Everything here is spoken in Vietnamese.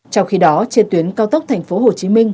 trong khi đó trên tuyến cao tốc thành phố hồ chí minh